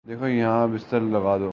دیکھو یہاں بستر لگادو